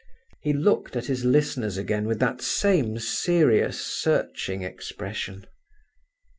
He looked at his listeners again with that same serious, searching expression.